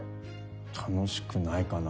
楽しくないかな？